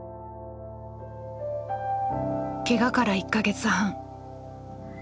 ケガから１か月半。